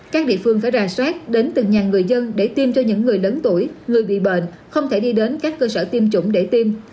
các địa phương phải rà soát đến từng nhà người dân để tiêm cho những người lớn tuổi người bị bệnh không thể đi đến các cơ sở tiêm chủng để tiêm